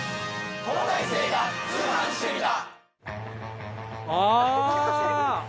『東大生が通販してみた！！』。